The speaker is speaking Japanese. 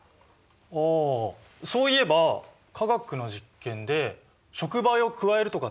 あそういえば化学の実験で触媒を加えるとかってありましたよね。